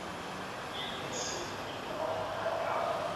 Kagere baba wa mapacha wenye umri wa mwaka mmoja akiwa Kenya katika moja ya